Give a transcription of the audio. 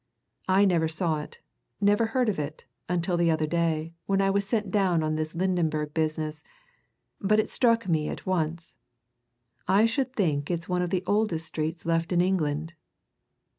"I never saw it, never heard of it, until the other day, when I was sent down on this Lydenberg business, but it struck me at once. I should think it's one of the oldest streets left in England."